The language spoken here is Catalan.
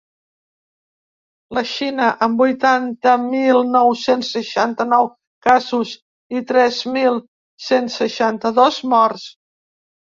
La Xina, amb vuitanta mil nou-cents seixanta-nou casos i tres mil cent seixanta-dos morts.